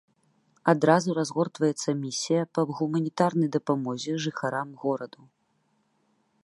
Адразу разгортваецца місія па гуманітарнай дапамозе жыхарам гораду.